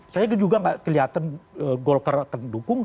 saya juga gak kelihatan golker akan dukung